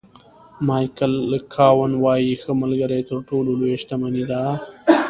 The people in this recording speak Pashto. مایکل کاون وایي ښه ملګری تر ټولو لویه شتمني ده.